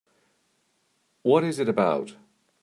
What is it about?